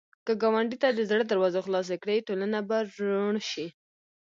که ګاونډي ته د زړه دروازې خلاصې کړې، ټولنه به روڼ شي